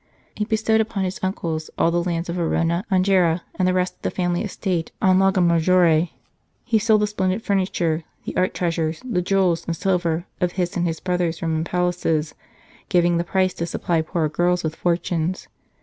He bestowed upon his uncles all the lands of Arona, Angera, and the rest of the family estate on Lago Maggiore. He sold the splendid furniture, the art treasures, 54 The Mission of Charles Borromeo the jewels and silver, of his and of his brother s Roman palaces, giving the price to supply poor girls with fortunes.